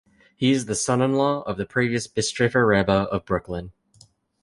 He is the son-in-law of the previous Bistritzer Rebbe of Brooklyn.